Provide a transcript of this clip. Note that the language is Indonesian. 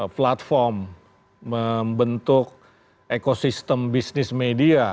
platform membentuk ekosistem bisnis media